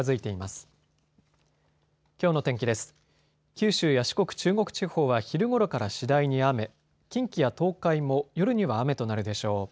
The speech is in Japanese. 九州や四国、中国地方は昼ごろから次第に雨、近畿や東海も夜には雨となるでしょう。